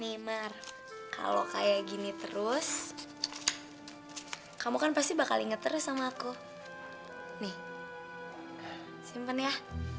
nih mar kalau kayak gini terus kamu kan pasti bakal ngeters sama aku nih simpen ya